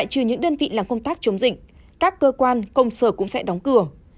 các cơ quan công sở cũng sẽ đóng cửa